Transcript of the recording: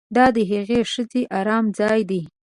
دا د هغې ښځې ارام ځای دی